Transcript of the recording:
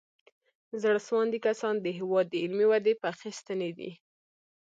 زړه سواندي کسان د هېواد د علمي ودې پخې ستنې دي.